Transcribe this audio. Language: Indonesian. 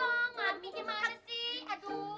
aduh gimana sih